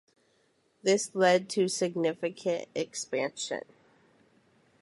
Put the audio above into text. This led to significant expansion.